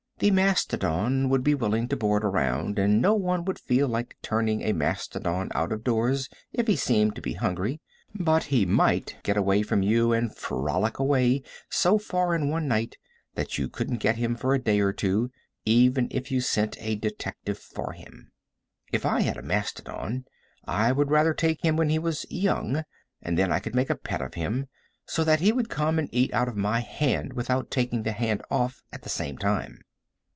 The mastodon would be willing to board around, and no one would feel like turning a mastodon out of doors if he seemed to be hungry; but he might get away from you and frolic away so far in one night that you couldn't get him for a day or two, even if you sent a detective for him. If I had a mastodon I would rather take him when he was young, and then I could make a pet of him, so that he could come and eat out of my hand without taking the hand off at the same time.